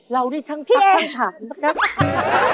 เราได้ทั้งศักดิ์ทั้งผ่านนะครับ